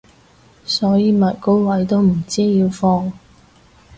所以咪高位都唔知要放